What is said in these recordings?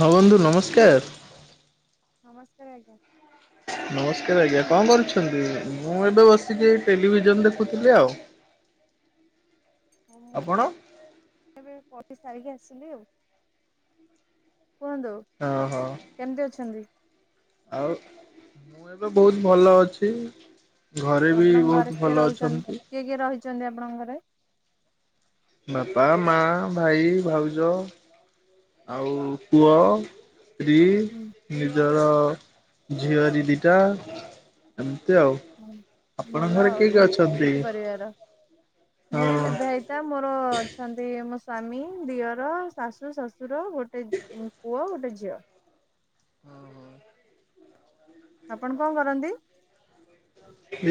ହଁ ବନ୍ଧୁ ନମସ୍କାର। ନମସ୍କାର ଆଜ୍ଞା। କେମିତି ନମସ୍କାର ଆଜ୍ଞା ଅଛନ୍ତି? କଣ କରୁଛନ୍ତି? ମୁଁ ଏବେ ବସିକି ଟେଲିଭିଜନ ଦେଖୁଥିଲି ଆଉ। ମୁଁ ଆପଣ? ଏବେ ପଢି ସାରିକି ଆସିଲି ଆଉ। କୁହନ୍ତୁ ହଁ ହଁ କେମିତି ଅଛନ୍ତି? ଆଉ ମୁଁ ଏବେ ବହୁତ ଭଲ ଅଛି। ଘରେ ବି ଆପଣଙ୍କ ଘରେ ବହୁତ କିଏ ଭଲ ରହୁଛନ୍ତି? ଅଛନ୍ତି। କିଏ କିଏ ରହିଛନ୍ତି ଆପଣଙ୍କ ଘରେ? ବାପା, ମା, ଭାଇ, ଭାଉଜ, ଆଉ ପୁଅ। ସ୍ତ୍ରୀ, ହୁଁ ନିଜର ଝିଅ ଅଛି ଦିଟା। ଏମିତି ଆଉ। ହୁଁ। ଭଲ ଆପଣଙ୍କ ଘରେ ଆଉ କିଏ କିଏ ଅଛନ୍ତି? ସୁଖୀ ପରିବାର। ମୁଁ ବି ହଁ ବିବାହି ତା ମୋର ଅଛନ୍ତି ମୋ ସ୍ଵାମୀ, ଦିଅର ଶାଶୁ, ଶଶୁର ଗୋଟେ ମୋ ପୁଅ, ଗୋଟେ ଝିଅ। ଆପଣ କଣ କରନ୍ତି?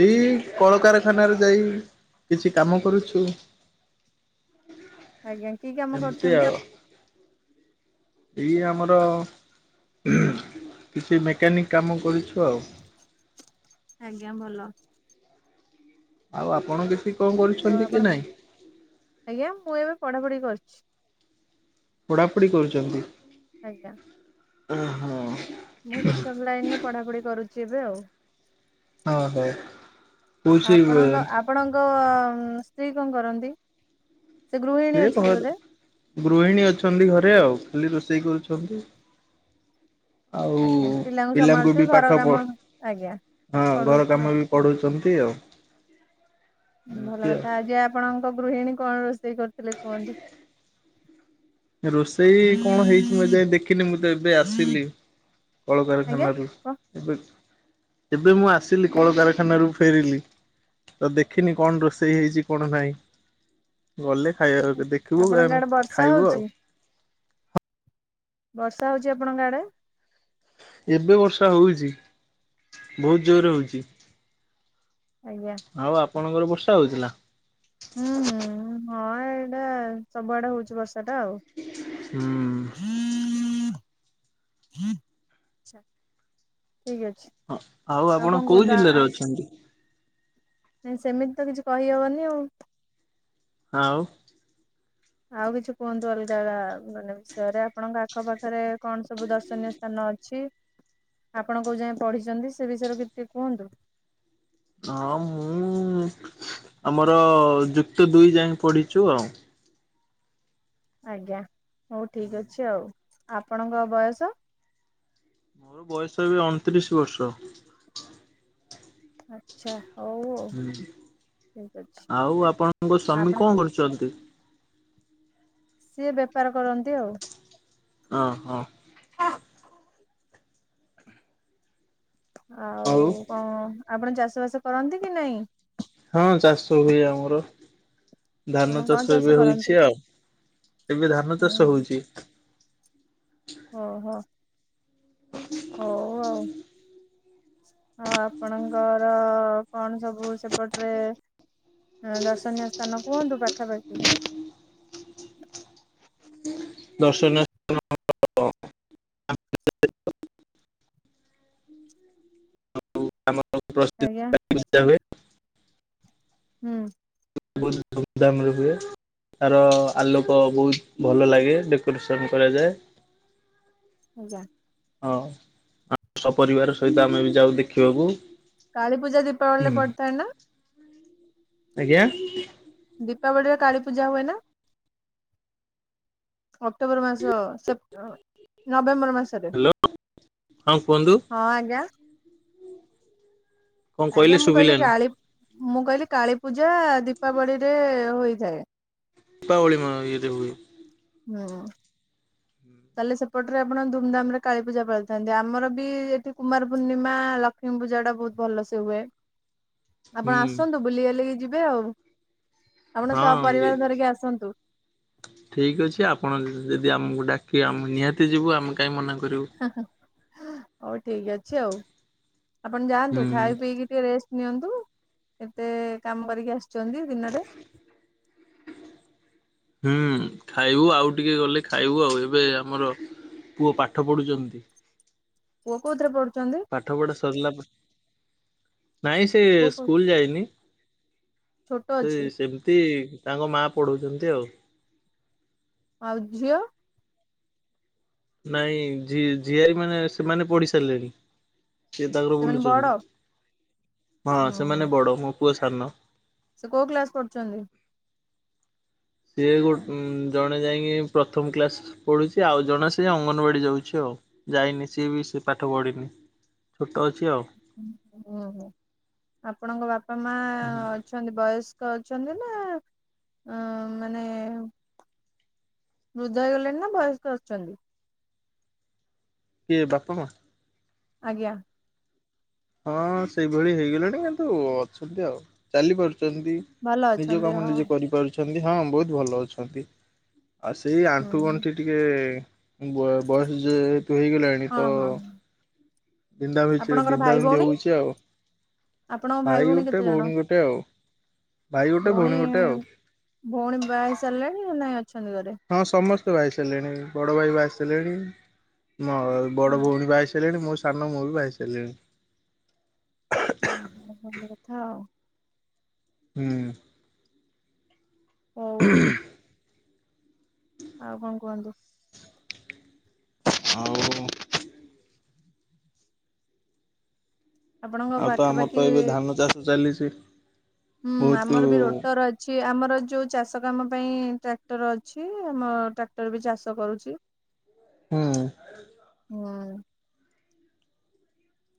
ଏଏ କଳକାରଖାନାରେ ଯାଇ କିଛି କାମ କରୁଛୁ। ଆଜ୍ଞା କି କାମ ଏମିତି କରୁଛନ୍ତି? ଆଉ। ଏଇ ଆମର କିଛି ମେକାନିକ କାମ କରୁଛୁ ଆଉ। ଆଜ୍ଞା ଭଲ। ଆଉ ଆପଣ କିଛି କଣ ଆଉ କରୁଛନ୍ତି କି ଆପଣ ନାଇଁ ଆଜ୍ଞା ମୁଁ ଏବେ ପଢାପଢି କରୁଛି। ପଢାପଢ଼ି କରୁଛନ୍ତି? ଆଜ୍ଞା। ଓହୋ। ମୁଁ ଶିକ୍ଷକ ଲାଇନ୍ ରେ ପଢ଼ାପଢି କରୁଛି ଏବେ ଆଉ। ଓହୋ। ଆପଣଙ୍କ ଆପଣଙ୍କ ସ୍ତ୍ରୀ କଣ କରନ୍ତି? ସେ ଗୃହିଣୀ ସିଏ ଅଛନ୍ତି ଘରେ ବୋଧେ? ଗୃହିଣୀ ଅଛନ୍ତି ଘରେ ଆଉ ଖାଲି ରୋଷେଇ କରୁଛନ୍ତି। ଆଉ ଆଜ୍ଞା ପିଲାଙ୍କୁ ସମ୍ଭାଳୁଥିବେ ବି ଘର ପାଠ କାମ ପଢ ଆଜ୍ଞା ହଁ ଘର ପଢଉଥିବେ କାମ ଆଉ। ବି ପଢ଼ଉଛନ୍ତି ଆଉ। ଭଲ ଏମିତି ଆଉ। କଥା ଆଜି ଆପଣଙ୍କ ଗୃହିଣୀ କଣ ରୋଷେଇ କରିଥିଲେ କୁହନ୍ତୁ? ରୋଷେଇ କଣ ହେଇଛି ମୁଁ ଏଯାଇ ଦେଖିନି, ମୁଁ ତ ଏବେ ଆସିଲି। ଆଜ୍ଞା କଳକାରଖାନାରୁ କଣ ଏବେ। ଏବେ ମୁଁ ଆସିଲି କଳକାରଖାନାରୁ ଫେରିଲି। ତ ଦେଖିନି କଣ ରୋଷେଇ ହେଇଛି କଣ ନାହିଁ। ଗଲେ ଖାଇବାବେଳେ ଦେଖିବୁ ଆପଣଙ୍କ ଆମେ ଆଡେ ବର୍ଷା ଖାଇବୁ ହଉଛି? ଆଉ। ବର୍ଷା ହଉଛି ଆପଣଙ୍କ ଆଡେ? ଏବେ ବର୍ଷା ହଉଛି, ବହୁତ ଜୋରରେ ହଉଛି। ଆଜ୍ଞା। ଆଉ ଆପଣଙ୍କର ବର୍ଷା ହଉଚି ନା? ହୁଁ ହୁଁ ହଁ ଏଇଟା ସବୁଆଡେ ହଉଛି ବର୍ଷା ଟା ଆଉ। ହୁଁ। ଠିକ୍ ଅଛି। ହଁ ଆଉ ଆପଣ କଣ କୋଉ କୁହନ୍ତୁ ଆ ଆ ଜିଲ୍ଲାରେ ଅଛନ୍ତି? ନାଇଁ ସେମିତି ତ କିଛି କହିହବନି ଆଉ। ଆଉ। ଆଉ କିଛି କୁହନ୍ତୁ ଅଲଗା ମାନେ ବିଷୟରେ, ଆପଣଙ୍କ ଆଖ ପାାଖରେ କଣ ସବୁ ଦର୍ଶନୀୟ ସ୍ଥାନ ଅଛି, ଆପଣ କୋଉ ଯାଏଁ ପଢିଛନ୍ତି, ସେ ବିଷୟରେ ଟିକେ କୁହନ୍ତୁ? ଆଉ ମୁଁ ଆମର ଯୁକ୍ତ ଦୁଇ ଯାଏଁ ପଢିଛୁ ଆଉ। ଆଜ୍ଞା ହଉ ଠିକ୍ ଅଛି ଆଉ। ଆପଣଙ୍କ ବୟସ? ମୋର ବୟସ ଏବେ ଅଣତିରିଶ ବର୍ଷ। ଆଛା ହଉ। ଆଉ ଠିକ ଅଛି ଆଉ ଆପଣଙ୍କ ସ୍ଵାମୀ ଆପଣ କଣ କରୁଛନ୍ତି? ସିଏ ବେପାର କରନ୍ତି ଆଉ। ଅଁ ହଁ। ଆଉ କଣ, ଆପଣ ଚାଷ ବାସ କରନ୍ତି କି ନାଇଁ? ହଁ ଚାଷ ହୁଏ ଆମର। ଧାନ ଆପଣ କଣ ଚାଷ ଏବେ କରନ୍ତି? ହଉଛି ଆଉ। ଏବେ ଧାନ ହୁଁ ଚାଷ ହଉଛି। ଓହୋ। ହଉ ଆଉ। ଆଉ ଆପଣଙ୍କର କଣ ସବୁ ସେପଟରେ ଦର୍ଶନୀୟ ସ୍ଥାନ କୁହନ୍ତୁ ପାଖାପାଖି। ଦର୍ଶନୀୟ ଆମ [inaudible] ଆଜ୍ଞା ହୁଏ। ହୁଁ। ଧୁମ୍ ଧାମ୍ ରେ ହୁଏ। ତାର ଆଲୋକ ବହୁତ ଭଲ ଲାଗେ, ଡେକୋରେସନ କରାଯାଏ। ଆଜ୍ଞା। ହଁ ଆ ସପରିବାର ସହିତ ଆମେ ବି ଯାଉ ଦେଖିବାକୁ। କାଳୀ ପୂଜା ଦୀପାବଳିରେ ହୁଁ ପଡିଥାଏ ନା? ଆଜ୍ଞା? ଦୀପାବଳିରେ କାଳୀ ପୂଜା ହୁଏ ନା? ଅକ୍ଟୋବର ମାସ ସେପ୍ ଅ ନଭେମ୍ବର ମାସ। ରେ। ହ୍ୟାଲୋ ହଁ କୁହନ୍ତୁ ହଁ ଆଜ୍ଞା। କଣ ଆଜ୍ଞା କହିଲେ ମୁଁ କହିଲି ଶୁଭିଲାନି କାଳୀ, ମୁଁ କହିଲି କାଳୀ ପୂଜା ଦୀପାବଳିରେ ହୋଇଥାଏ। ଦୀପାବଳି ମା ଇଏଦେ ହୁଏ। ହୁଁ। ତାହେଲେ ସେପଟରେ ଆପଣ ଧୁମଧାମରେ କାଳୀ ପୂଜା ପାଳିଥାନ୍ତି। ଆମର ବି ଏଠି କୁମାର ପୂର୍ଣ୍ଣିମା ଲ କ୍ଷ୍ମୀ ପୂଜା ଟା ବହୁତ ଭଲସେ ହୁଏ। ହୁଁ ଆପଣ ଆସନ୍ତୁ, ବୁଲିବାଲିକି ଯିବେ ଆଉ। ଆପଣ ହଁ ସପରିବାର ଯିବି। ଧରିକି ଆସନ୍ତୁ। ଠିକ୍ ଅଛି, ଆପଣ ଯ ଯଦି ଆମକୁ ଡାକିବେ, ଆମେ ନିହାତି ଯିବୁ, ଆମେ କାହିଁ ମନା କରିବୁ। ହଉ ଠିକ ଅଛି ଆଉ ଆପଣ ହୁଁ ଯାଆନ୍ତୁ ଖାଇ ପିଇକି ଟିକେ ରେଷ୍ଟ ନିଅନ୍ତୁ ଏତେ କାମ କରିକି ଆସିଛନ୍ତି ଦିନରେ। ହୁଁ ଖାଇବୁ ଆଉ ଟିକେ ଗଲେ ଖାଇବୁ ଆଉ ଏବେ ଆମର ପୁଅ ପାଠ ପଢୁଚନ୍ତି। ପୁଅ କୋଉଥିରେ ପଢୁଚନ୍ତି? ପାଠ ପଢା ସରିଲା ପରେ ନାଇଁ ସେ ପୁଅ କୋଉ ସ୍କୁଲ ଯାଇନି। ଛୋଟ ସେ ଅଛି ସେମିତି ତାଙ୍କ ମା ପଢଉଚନ୍ତି ଆଉ। ଆଉ ଝିଅ। ନାଇଁ ଝି ଝିଆରି ମାନେ ସେମାନେ ପଢି ସାରିଲେଣି। ସିଏ ତାଙ୍କର ସେମାନେ ବଡ ବୁଲୁଛନ୍ତି ହଁ ସେମାନେ ହୁଁ ବଡ ମୋ ପୁଅ ସାନ। ସେ କୋଉ କ୍ଲାସ କରୁଚନ୍ତି? ସିଏ ଗୋ ଜଣେ ଯାଇକି ପ୍ରଥମ କ୍ଲାସ୍ ପଢୁଛି ଆଉ ଜଣେ ସେ ଅଙ୍ଗନବାଡି ଯାଉଛି ଆଉ ଯାଇନି ସିଏ ବି ସେ ପାଠ ପଢିନି। ଛୋଟ ଅଛି ଆଉ। ହୁଁ ଓ ହୋ ଆପଣଙ୍କ ବାପା ମା ଅଛନ୍ତି ବୟସ ବୟସ୍କ ଅଛନ୍ତି ନା ଆ ମାନେ ବୃଦ୍ଧ ହେଇଗଲେଣି ନା ବୟସ୍କ ଅଛନ୍ତି? କିଏ ବାପା ମା? ଆଜ୍ଞା। ହଁ ସେଇଭଳି ହେଇଗଲାଣି କିନ୍ତୁ ଅଛନ୍ତି ଆଉ ଚାଲି ପାରୁଚନ୍ତି। ଭଲ ନିଜ ଅଛନ୍ତି କାମ ହଁ ନିଜେ କରିପାରୁ ଛନ୍ତି ହଁ ବହୁତ ଭଲ ଅଛନ୍ତି। ଆଉ ସେଇ ହୁଁ ଆଣ୍ଠୁ ଗଣ୍ଠି ଟିକେ ବ ବୟସ ଯେହତୁ ହେଇଗଲାଣି ହଁ ତ ହଁ ବିନ୍ଧା ବି ଆପଣଙ୍କର ବି ବିନ୍ଧା ଭାଇ ବିିନ୍ଧି ଭଉଣୀ ହଉଛି ଆଉ। ଆପଣଙ୍କ ଭାଇ ଗୋଟେ କେତେ ଜଣ? ଭଉଣୀ ଗୋଟେ ଆଉ। ଭାଇ ଗୋଟେ ଭଉଣୀ ଗୋଟେ ଆଉ ଭଉଣୀ ବାହା ହେଇ ସାରିଲାଣି ନାଇଁ ଅଛନ୍ତି ଘରେ? ହଁ ସମସ୍ତେ ବାହା ହେଇସାରିଲେଣି ବଡ଼ ଭାଇ ବାହା ହେଇସାରିଲେଣି ମ ବଡ଼ ଭଉଣୀ ବାହା ହେଇସାରିଲେଣି ମୁଁ ସାନ ମୁଁ ବି ବାହା ହେଇସାରିଲିଣି। ଓହୋ ଭଲ କଥା ଆଉ। ହୁଁ। ହଉ। ଆଉ କଣ କୁହନ୍ତୁ। ଆଉ ଆପଣଙ୍କ ଆଉ ତ ଆମର ତ ଏବେ ପାଖାପାଖି ଧାନ ଚାଷ ଚାଲିଚି। ହୁଁ ଆମର ବି ରୋଟର ଅ ଛି ଆମର ଯେଉଁ ଚାଷ କାମ ପାଇଁ ଟ୍ରାକ୍ଟର ଅଛି ଆମ ଟ୍ରାକ୍ଟର ବି ଚାଷ କରୁଚି। ହୁଁ ହୁଁ।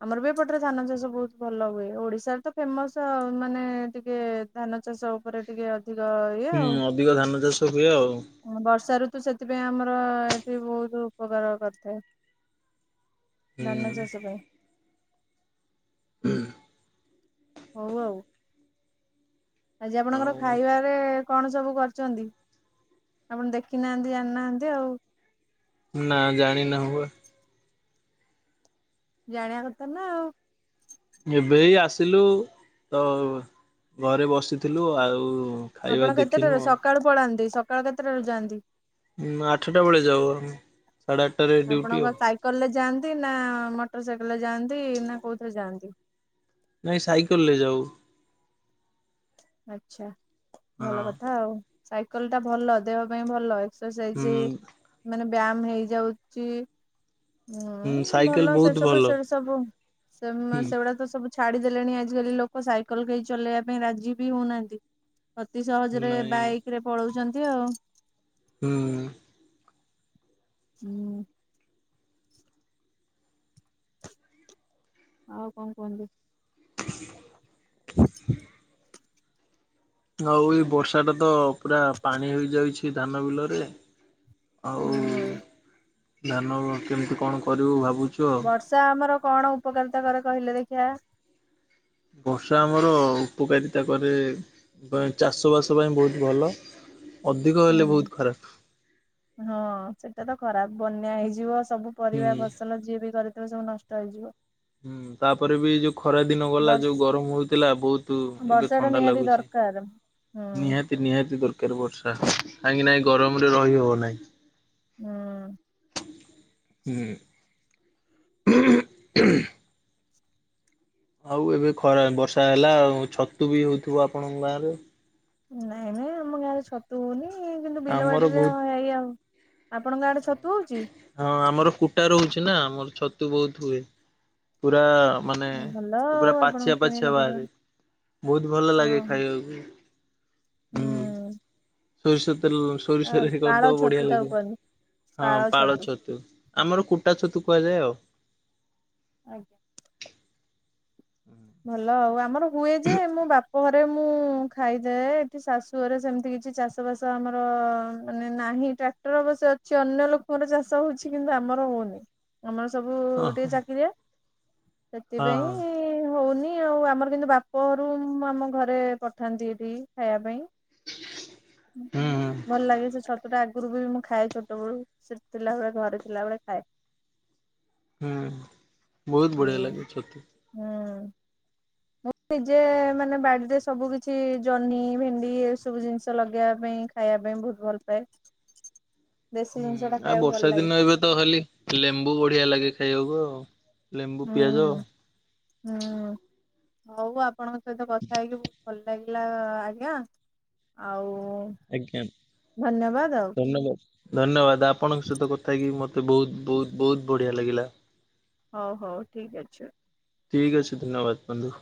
ଆମର ବି ଏପଟ ରେ ଧାନ ଚାଷ ବହୁତ ଭଲ ହୁଏ ଓଡିଶାରେ ତ ଫେମସ ଆଉ ମାନେ ଟିକେ ଧାନ ଚାଷ ଉପରେ ଟିକେ ଅଧିକ ଇଏ ହୁଁ ଆଉ। ଅଧିକ ଧାନ ଚାଷ ହୁଏ ଆଉ। ବର୍ଷା ଋତୁ ସେଥିପାଇଁ ଆମର ଏଠି ବହୁତ ଉପକାର କରିଥାଏ। ହୁଁ ଧାନ ଚାଷ ପାଇଁ। [unintelligible] ହଉ ଆଉ। ଆଜି ଆପଣଙ୍କର ଆଉ ଖାଇବାରେ କଣ ସବୁ କରିଚନ୍ତି? ଆପଣ ଦେଖିନାହାନ୍ତି ଜାଣିନାହାନ୍ତି ଆଉ। ନା ଜାଣି ନାହୁଁ ଆ। ଜାଣିବା କଥା ନା ଆଉ। ଏବେ ଆସିଲୁ ତ ଘରେ ବସିଥିଲୁ ଆଉ। ଖାଇବା ଆପଣ ଦେଖିନୁ କେତେଟାରୁ ଆଉ। ସକାଳୁ ପଳାନ୍ତି ସକାଳୁ କେତେଟାରୁ ଯାଆନ୍ତି। ଆଠଟା ବେଳେ ଯାଉ ଆମେ। ସାଢେ ଆଠାରେ ଆପଣଙ୍କ ସାଇକେଲ ରେ ଯାଆନ୍ତି ନା ମୋଟର ସାଇକେଲ ରେ ଯାଆନ୍ତି ନା କୋଉଥିରେ ଯାଆନ୍ତି। ନାଇଁ ସାଇକେଲ ରେ ଯାଉ। ଆଛା ଭଲ ହଁ। କଥା ଆଉ ସାଇକେଲ ଟା ଭଲ ଦେବା ପାଇଁ ଭଲ। ସେ ସେ ମାନେ ବ୍ୟାୟାମ ହେଇଯାଉଛି। ହୁଁ ସାଇକେଲ ଭଲ ସେ ବହୁତ ସବୁ ଭଲ ସେ ସବୁ ସେ ହୁଁ ସେଗୁଡା ତ ସବୁ ଛାଡିଦେଲେଣି ଆଜିକାଲି ଲୋକ ସାଇକେଲ କେହି ଚଲେଇବା ପାଇଁ ରାଜି ବି ହଉନାହାନ୍ତି। ଅତି ସହଜରେ ନାଇଁ ବାଇକ ରେ ପଳଉଛନ୍ତି ଆଉ। ହୁଁ। କି। ଆଉ କଣ କୁହନ୍ତୁ। [unintelligible] ଆଉ ଏଇ ବର୍ଷା ଟା ତ ପୁରା ପାଣି ହେଇଯାଇଛି ଧାନ ବିଲରେ। ଆଉ ହୁଁ ଧାନ କେମିତି କଣ କରିବୁ ଭାବୁଛିୁ। ବର୍ଷା ଆମର କଣ ଉପକାରିତା କରେ କହିଲେ ଦେଖିବା ବର୍ଷା ଆମର ଉପକାରିତା କରେ ଚାଷବାସ ପାଇଁ ବହୁତ ଭଲ ଅଧିକ ହେଲେ ହୁଁ। ବହୁତ ଖରାପ। ହଁ ସେଟା ତ ଖରାପ ବନ୍ୟା ହେଇଯିବ ସବୁ ପରିବା ହୁଁ ଫସଲ ଯିଏ ବି କରିଥିବ ସବୁ ନ ତ ଯିବ ହୁଁ ତାପରେ ବି ଯୋଉ ଖରା ଦିନ ଗଲା ଯୋଉ ବର୍ଷ ଗରମ ହଉଥିଲା ବହୁତ ଏବେ ବର୍ଷା ଟା ଥଣ୍ଡା ନିହାତି ଲାଗୁଛି ଦରକାର ହୁଁ ନିହାତି ନିହାତି ଦରକାର ବର୍ଷା କାହିଁକି ନାହି ଗରମରେ ରହିହବ ନାହିଁ। ହୁଁ। ହୁଁ ହଁ ହ। ଆଉ ଏବେ ଖରା ବର୍ଷା ହେଲା ଆଉ ଛତୁ ବି ହଉଥିବ ଆପଣଙ୍କ ଗାଁ ରେ ନାଇଁ ନାଇଁ ଆମ ଗାରେ ଛତୁ ତୁନି କିନ୍ତୁ ବିଲ ଆମର ବାଡ଼ିରେ ବହୁତ ହେଇ ଆଉ ଆପଣଙ୍କ ଆଡେ ଛତୁ ହଉଛି। ହଁ ଆମର କୁଟା ରହୁଛି ନା ଆମର ଛତୁ ବହୁତ ହୁଏ ପୁରା ମାନେ ହଁ ଭଲ ଆଉ ପୁରା ପାଛିଆ ଆପଣଙ୍କୁ କିଣିବାକୁ ପାଛିଆ ପଡିବ ବାହାରେ ବହୁତ ଭଲ ଲାଗେ ହଁ ଖାଇବାକୁ। ହୁଁ। ସୋରିଷ ତେଲ ସୋରିଷରେ ପାଳ କରିଦବ ଛତୁ ବଢିଆ ତାକୁ ଲାଗିବ କୁହନ୍ତି ହଁ ପାଳ ଛତୁ। ଆମର କୁଟା ଛତୁ କୁହାଯାଏ ଆଉ। ଆଜ୍ଞା। ହୁଁ। ଭଲ ଆଉ ଆମର ହୁଏ ଯେ ମୋ ବାପ ଘରେ ମୁଁ ମୁଁ ଖାଇଜାଏ ଏଠି ଶାଶୁ ଘରେ ସେମିତି କିଛି ଚାଷ ବାସ ଆମର ମାନେ ନାହିଁ ଟା [unintelligible] ଅବଶ୍ୟ ଅଛି ଅନ୍ୟ ଲୋକଙ୍କର ଚାଷ ହଉଛି କିନ୍ତୁ ଆମର ହଉନି। ଆମର ସବୁ ଟିକେ ଓହୋ ଚାକିରିଆ ହଁ ହଁ ସେଥିପାଇଁ ହଉନି ଆଉ ଆମର କିନ୍ତୁ ବାପ ଘରୁ ଆମ ଘରେ ପଠାନ୍ତି ଏଠି ଖାଇବା ପାଇଁ। ହୁଁ ଭଲ ଲାଗେ ସେ ଛତୁ ଟା ଆଗରୁ ବି ମୁଁ ଖାଏ ଛ ବେ ସେ ଥିଲାବେଳେ ଘରେ ଥିଲାବେଳେ ଖାଏ। ହୁଁ ବହୁତ ହୁଁ ବଢ଼ିଆ ଲାଗେଛତୁ। ହୁଁ। ମୁଁ ନିଜେ ମାନେ ବାଡିରେ ସବୁ କିଛି ଜହ୍ନି ଭେଣ୍ଡି ଏ ସବୁ ଜିନିଷ ଲଗେଇବା ପାଇଁ ଖାଇବା ପାଇଁ ବହୁତ ଭଲ ପାଏ। ଦେଶୀ ହୁଁ ଜିନିଷ ଟା ଆଉ ଖାଇବାକୁ ବର୍ଷା ଭଲ ଲାଗେ ଦିନ ଏବେ ତ ଖାଲି ଲେମ୍ବୁ ବଢିଆ ଲାଗେ ଖାଇବାକୁ ଆଉ ଲେମ୍ବୁ ହୁଁ ପିଆଜ ଆଉ ହୁଁ। ହଉ ଆପଣଙ୍କ ସହିତ କଥା ହେଇକି ବହୁତ ଭଲ ଲାଗିଲା ଆଜ୍ଞା। ଆଉ। ଆଜ୍ଞା ଧନ୍ୟବାଦ ଆଉ। ଧନ୍ୟବାଦ ଧନ୍ୟବାଦ ଆ ଆପଣଙ୍କ ସହିତ କଥା ହେଇକି ମତେ ବହୁତ ବହୁତ ବହୁତ ବଢିଆ ଲାଗିଲା। ହଉ ହଉ ଠିକ ଅଛି। ଠିକ୍ ଅଛି ଧନ୍ୟବାଦ ବନ୍ଧୁ।